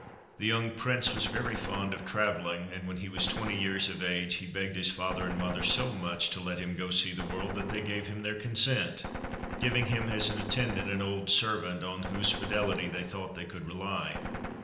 The young prince was very fond of travelling, and when he was twenty years of age he begged his father and mother so much to let him go to see the world, that they gave him their consent, giving him as an attendant an old servant on whose fidelity they thought they could rely.